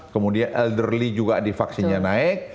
kemudian elderly juga di vaksinnya naik